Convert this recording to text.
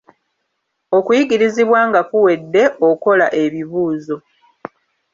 Okuyigirizibwa nga kuwedde, okola ebibuuzo.